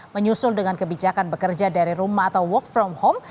menyusul dengan kebijakan bekerja dari rumah atau work from home